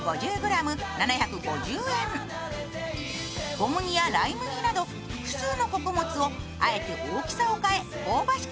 小麦やライ麦など、複数の穀物をあえて大きさを変え香ばしく